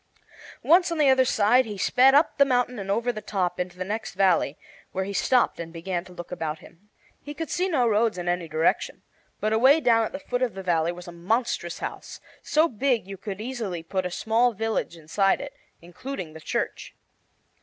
Once on the other side he sped up the mountain and over the top into the next valley, where, he stopped and began to look about him. He could see no roads in any direction, but away down at the foot of the valley was a monstrous house, so big you could easily put a small village inside it, including the church.